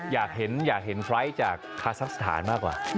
อยากเห็นไฟล์ทจากคาซักสถานมากกว่า